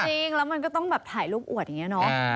จริงแล้วมันก็ต้องแบบถ่ายรูปอวดอย่างนี้เนาะ